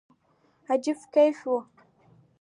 عجيب کيف وو.